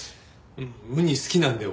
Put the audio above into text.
ウニ好きなんで俺。